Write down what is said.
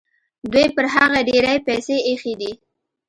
دوی پر هغه ډېرې پیسې ایښي دي.